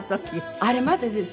あれまだですね